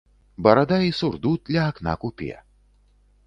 Барада і сурдут ля акна купе.